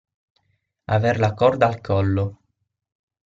Aver la corda al collo.